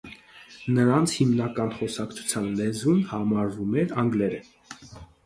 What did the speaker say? Նրանց հիմնական խոսակցական լեզուն համարվում է անգլերենը։